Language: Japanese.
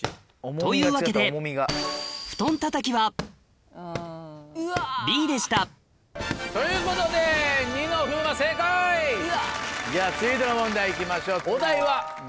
というわけで布団たたきはＢでしたということでニノ風磨正解！では続いての問題いきましょう。